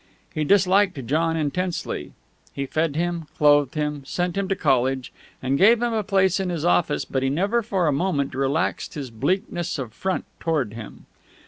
He disliked John intensely. He fed him, clothed him, sent him to college, and gave him a place in his office, but he never for a moment relaxed his bleakness of front toward him.